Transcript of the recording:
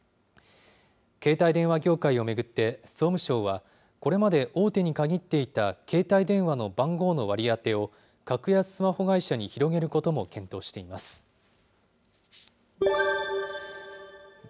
携帯電話業界を巡って、総務省は、これまで大手に限っていた携帯電話の番号の割り当てを、格安スマホ会社に広げることも検討しています。